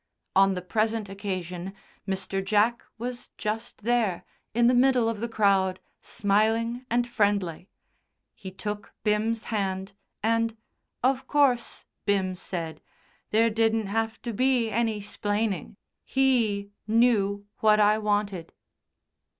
On the present occasion Mr. Jack was just there, in the middle of the crowd, smiling and friendly. He took Bim's hand, and, "Of course," Bim said, "there didn't have to be any 'splaining. He knew what I wanted."